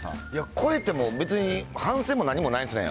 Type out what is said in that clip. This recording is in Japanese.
これってもう別に、反省も何もないですね。